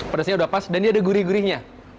pedasnya udah pas dan dia ada gurih gurihnya